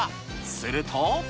すると。